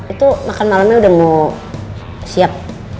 itu makan malamnya udah mau siap